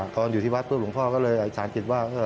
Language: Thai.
ตอนอยู่ที่วัดต้นหลวงพ่อก็เลยสารจิตว่า